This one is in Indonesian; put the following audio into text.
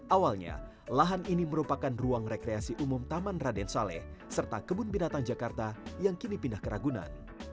awalnya lahan ini merupakan ruang rekreasi umum taman raden saleh serta kebun binatang jakarta yang kini pindah ke ragunan